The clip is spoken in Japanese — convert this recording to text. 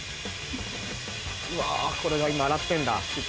これが今洗ってんだ。